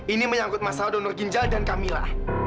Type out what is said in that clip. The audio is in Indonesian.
ini menyangkut masalah donor ginjal dan camillah